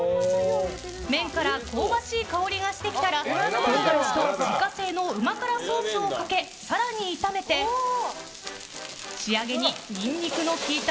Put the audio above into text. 麺から香ばしい香りがしてきたら唐辛子と自家製のうま辛ソースをかけ更に炒めて仕上げにニンニクの効いた